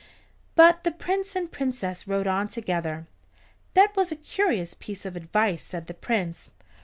But the Prince and Princess rode on together. "That was a curious piece of advice," said the Prince.